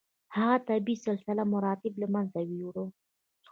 هغه طبیعي سلسله مراتب له منځه یووړه.